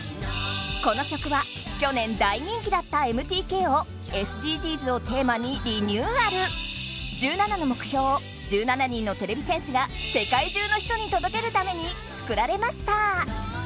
この曲は去年大人気だったＭＴＫを１７の目標を１７人のてれび戦士が世界中の人に届けるために作られました。